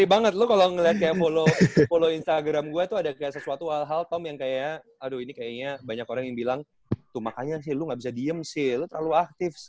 tapi banget lo kalau ngeliat kayak follow instagram gue tuh ada kayak sesuatu hal hal tom yang kayak aduh ini kayaknya banyak orang yang bilang tuh makanya sih lu gak bisa diem sih lo terlalu aktif sih